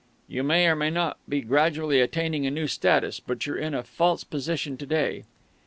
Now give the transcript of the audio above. "You may or may not be gradually attaining a new status, but you're in a false position to day."